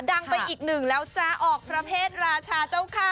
ดังไปอีกหนึ่งแล้วจ๊ะออกประเภทราชาเจ้าค่ะ